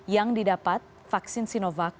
yang didapat vaksin sinovac